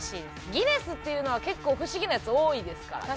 ギネスっていうのは結構不思議なやつ多いですからね。